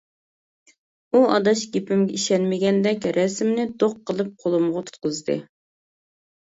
ئۇ ئاداش گېپىمگە ئىشەنمىگەندەك رەسىمنى دوق قىلىپ قولۇمغا تۇتقۇزدى.